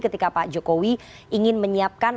ketika pak jokowi ingin menyiapkan